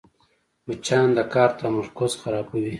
مچان د کار تمرکز خرابوي